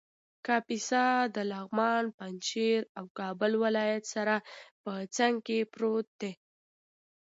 کاپیسا د لغمان ، پنجشېر او کابل ولایت سره په څنګ کې پروت دی